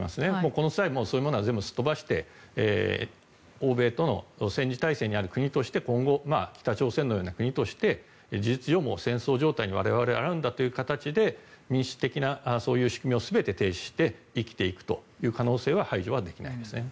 この際、そういうものは全部すっ飛ばして欧米との戦時体制にある国として今後、北朝鮮のような国として事実上、戦争状態に我々はなるんだということで民主的なそういう仕組みを全て停止して生きていく可能性は排除はできないですね。